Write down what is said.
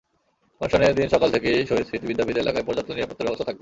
অনুষ্ঠানের দিন সকাল থেকেই শহীদ স্মৃতি বিদ্যাপীঠ এলাকায় পর্যাপ্ত নিরাপত্তার ব্যবস্থা থাকবে।